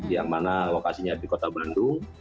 yang mana lokasinya di kota bandung